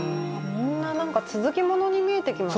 みんななんか続きものに見えてきましたね。